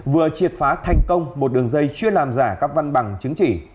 vừa triệt phá thành công một đường dây chuyên làm giả các văn bằng chứng chỉ